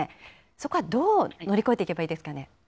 そこはどう乗り越えていけばいいですかね。